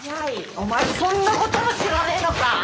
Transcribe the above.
お前そんなことも知らねえのか！